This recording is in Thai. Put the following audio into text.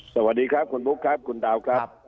สวัสดีครับคุณบุ๊คครับคุณดาวครับ